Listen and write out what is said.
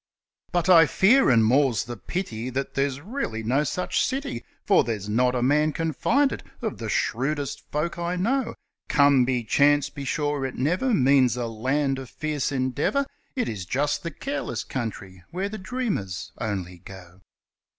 But I fear, and more's the pity, that there's really no such city, For there's not a man can find it of the shrewdest folk I know, 'Come by chance', be sure it never means a land of fierce endeavour, It is just the careless country where the dreamers only go.